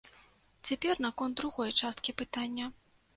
Цяпер наконт другой часткі пытання.